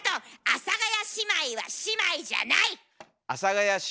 阿佐ヶ谷姉妹は姉妹じゃない。